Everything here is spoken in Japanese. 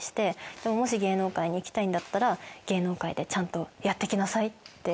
でももし芸能界に行きたいんだったら芸能界でちゃんとやって行きなさいって。